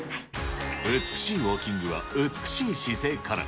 美しいウォーキングは美しい姿勢から。